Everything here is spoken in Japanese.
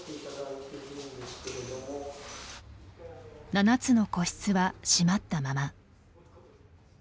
７つの個室は閉まったまま。